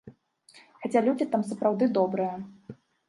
Хаця людзі там сапраўды добрыя.